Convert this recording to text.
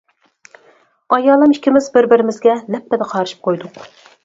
ئايالىم ئىككىمىز بىر بىرىمىزگە لەپپىدە قارىشىپ قويدۇق.